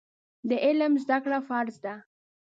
د علم زده کړه فرض ده.